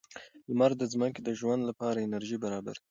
لمر د ځمکې د ژوند لپاره انرژي برابروي.